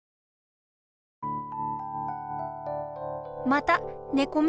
またねこ